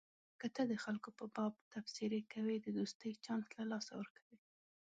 که ته د خلکو په باب تبصرې کوې د دوستۍ چانس له لاسه ورکوې.